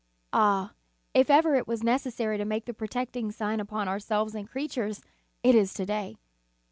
Ah, if ever it was necessary to make the protect ing sign upon ourselves and creatures, it is to day.